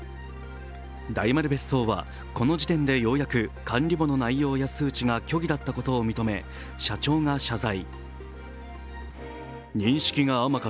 大丸別荘はこの時点でようやく管理簿の内容や数値が虚偽だったことを認め社長が謝罪。